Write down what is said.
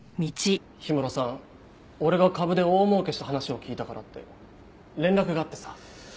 氷室さん俺が株で大儲けした話を聞いたからって連絡があってさ。